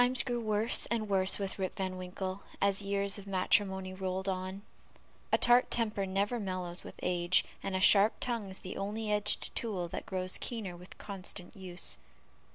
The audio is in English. Times grew worse and worse with Rip Van Winkle as years of matrimony rolled on; a tart temper never mellows with age, and a sharp tongue is the only edged tool that grows keener with constant use.